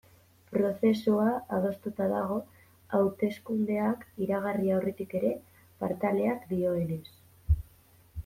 Prozesua adostuta dago hauteskundeak iragarri aurretik ere, Partalek dioenez.